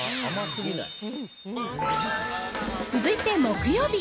続いて木曜日。